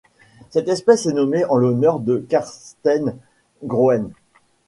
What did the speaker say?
Cette espèce est nommée en l'honneur de Carsten Gröhn.